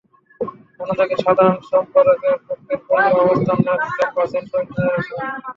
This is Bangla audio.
অন্যদিকে সাধারণ সম্পাদকের পক্ষের কর্মীরা অবস্থান নেন ক্যাম্পাসের শহীদ মিনারের সামনে।